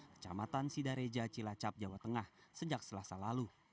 kecamatan sidareja cilacap jawa tengah sejak selasa lalu